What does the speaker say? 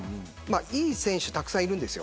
いい選手たくさんいるんです。